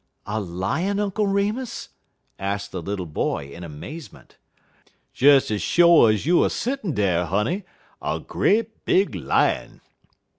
"A Lion, Uncle Remus?" asked the little boy, in amazement. "Des ez sho' ez you er settin' dar, honey, a great big Lion.